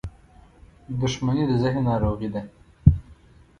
• دښمني د ذهن ناروغي ده.